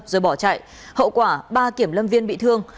rồi bỏ chạy hậu quả ba kiểm lâm viên bị thương